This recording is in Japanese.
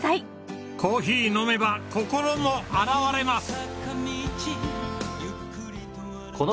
コーヒー飲めば心も洗われます！